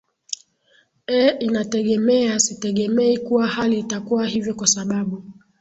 ee inategemea sitegemei kuwa hali itakuwa hivyo kwa sababu